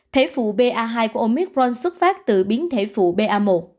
thể phụ ba hai của omicron xuất phát từ biến thể phụ ba